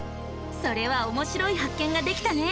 それはおもしろい発見ができたね！